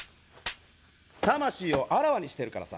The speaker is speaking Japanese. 魂をあらわにしてるからさ！